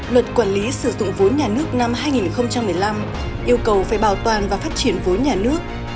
luật quản lý sử dụng vốn nhà nước năm hai nghìn một mươi năm yêu cầu phải bảo toàn và phát triển vốn nhà nước